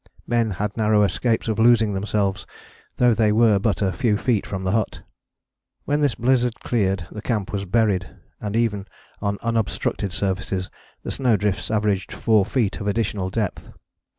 Men had narrow escapes of losing themselves, though they were but a few feet from the hut. When this blizzard cleared the camp was buried, and even on unobstructed surfaces the snowdrifts averaged four feet of additional depth.